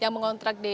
yang mengontrak di